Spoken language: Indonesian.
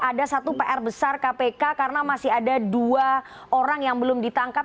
ada satu pr besar kpk karena masih ada dua orang yang belum ditangkap